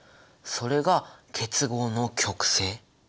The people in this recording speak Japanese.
それが結合の極性。